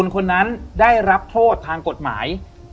คนนั้นได้รับโทษทางกฎหมาย